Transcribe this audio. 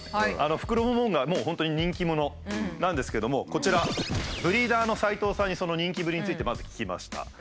フクロモモンガはもう本当に人気者なんですけどもこちらブリーダーの齊藤さんにその人気ぶりについてまず聞きました。